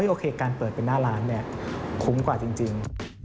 โอเคการเปิดเป็นหน้าร้านคุ้มกว่าจริง